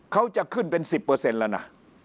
เขาจะขึ้นเป็น๑๐แล้วนะ